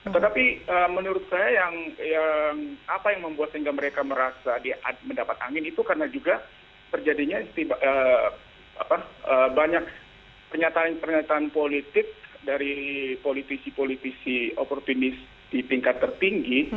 tetapi menurut saya yang apa yang membuat sehingga mereka merasa mendapat angin itu karena juga terjadinya banyak pernyataan pernyataan politik dari politisi politisi opportunis di tingkat tertinggi